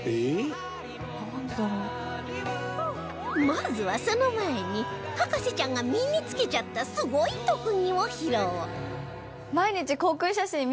まずはその前に博士ちゃんが身につけちゃったすごい特技を披露